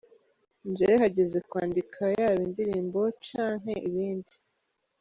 Jewe hageze kwandika yaba indirimbo canke ibindi.